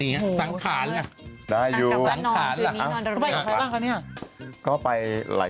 อยากรู้เลย